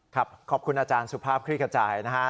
ครับขอบคุณอาจารย์สุภาพคลิกระจายนะฮะ